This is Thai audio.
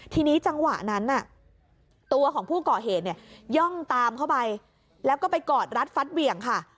ทีนี้จังหวะนั้นตัวของผู้ก่อเหตุเนี่ยย่องตามเข้าไปแล้วก็ไปกอดรัดฟัดเหวี่ยงค่ะ